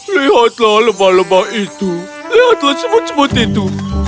lihatlah lemah lembah itu lihatlah sebut sebut itu